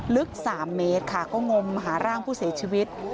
ลึก๓เมตรค่ะก็งมหาร่างผู้เสียชีวิต